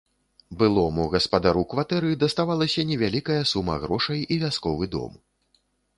Былому гаспадару кватэры даставалася невялікая сума грошай і вясковы дом.